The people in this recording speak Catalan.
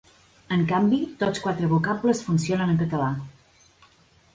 En canvi tots quatre vocables funcionen en català.